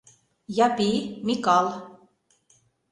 Япи, Микал.